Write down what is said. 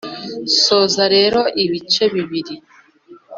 soza rero ibice bibiri